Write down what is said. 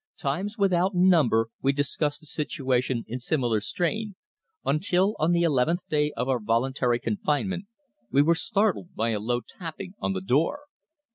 Times without number we discussed the situation in similar strain, until, on the eleventh day of our voluntary confinement we were startled by a low tapping on the door.